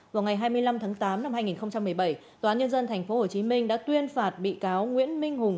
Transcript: vào ngày hai mươi năm tháng tám năm hai nghìn một mươi bảy tnthh đã tuyên phạt bị cáo nguyễn minh hùng